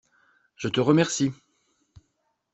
Je te remercie.